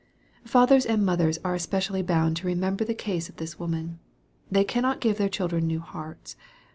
Fathers and mothers are especially bound to remember the case of this woman. They cannot give their children new hearts.